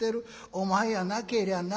お前やなけりゃならん。